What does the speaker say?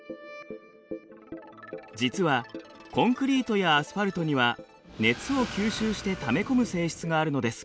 実はコンクリートやアスファルトには熱を吸収してため込む性質があるのです。